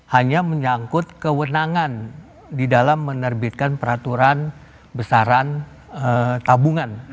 hanya menyangkut kewenangan di dalam menerbitkan peraturan besaran tabungan